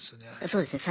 そうですね。